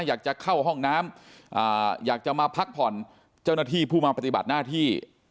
อยากจะเข้าห้องน้ำอยากจะมาพักผ่อนเจ้าหน้าที่ผู้มาปฏิบัติหน้าที่